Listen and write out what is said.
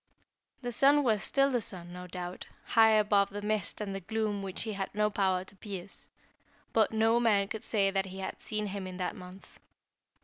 The sun was still the sun, no doubt, high above the mist and the gloom which he had no power to pierce, but no man could say that he had seen him in that month.